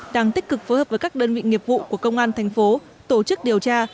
đang tích cực phối hợp với các đơn vị nghiệp vụ của công an thành phố tổ chức điều tra